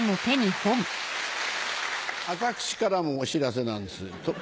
私からもお知らせなんです。